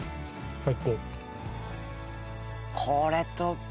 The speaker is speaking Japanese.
はい。